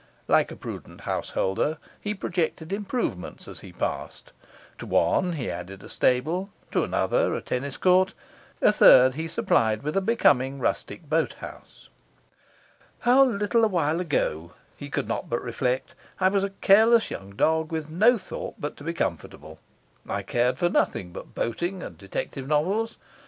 Like a prudent householder, he projected improvements as he passed; to one he added a stable, to another a tennis court, a third he supplied with a becoming rustic boat house. 'How little a while ago,' he could not but reflect, 'I was a careless young dog with no thought but to be comfortable! I cared for nothing but boating and detective novels.